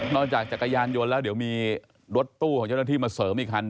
โดนจากกระยันยนต์แล้วเดี๋ยวจะมีรถตู้ของเจ้าหน้าที่มาเสริมอีกครั้งนึง